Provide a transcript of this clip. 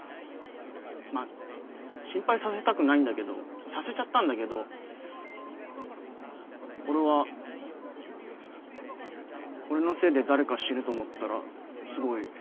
まあ心配させたくないんだけどさせちゃったんだけど俺は俺のせいで誰か死ぬと思ったらすごいきつかった。